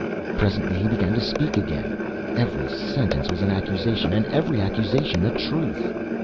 Presently he began to speak again. Every sentence was an accusation, and every accusation a truth.